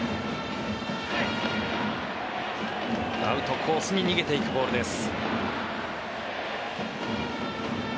アウトコースに逃げていくボールです。